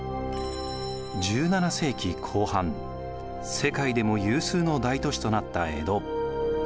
１７世紀後半世界でも有数の大都市となった江戸。